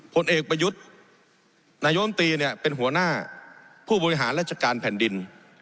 ผลเอกประยุทธ์นายมตรีเนี่ยเป็นหัวหน้าผู้บริหารราชการแผ่นดิน